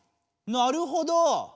なるほど。